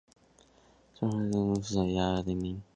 凫庄因形似野鸭浮水而得名。